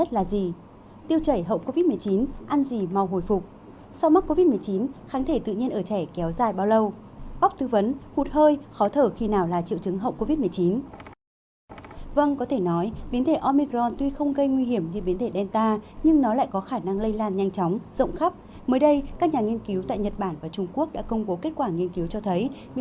hãy đăng ký kênh để ủng hộ kênh của chúng mình nhé